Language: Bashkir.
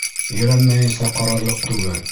Ерәнмәйенсә ҡарарлыҡ түгел.